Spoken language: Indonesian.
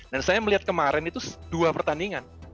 dan saya melihat kemarin itu dua pertandingan